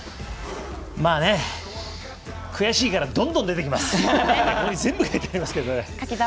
まあね、悔しいからどんどん出てきます。